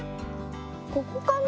ここかな？